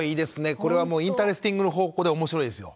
これはもうインタレスティングの方向で面白いですよ。